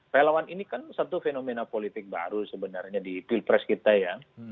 relawan ini kan satu fenomena politik baru sebenarnya di pilpres kita ya